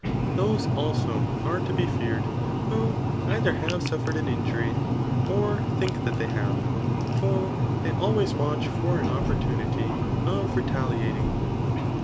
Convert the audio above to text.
T&oeealso are to be feared who either have, suflfered an; injury, or diak that they have ; for they always watch for an opportu tutyX^ retaliating.